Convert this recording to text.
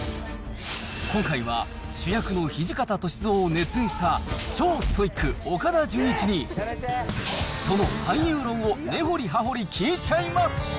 今回は主役の土方歳三を熱演した超ストイック、岡田准一に、その俳優論を根掘り葉掘り聞いちゃいます。